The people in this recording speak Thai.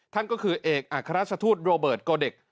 ท่านก็คือเอกอัครราชทูตโรเบิร์ตโกเด็ก